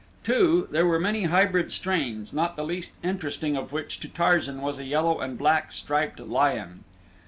Too, there were many hybrid strains, not the least interesting of which to Tarzan was a yellow and black striped lion.